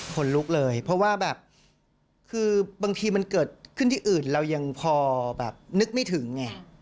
คนลุกเลยเพราะว่าแบบคือบางทีมันเกิดขึ้นที่อื่นเรายังพอแบบนึกไม่ถึงไง